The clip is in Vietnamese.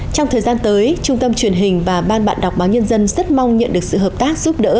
trong thời gian tới trung tâm truyền hình và ban bạn đọc báo nhân dân rất mong nhận được sự hợp tác giúp đỡ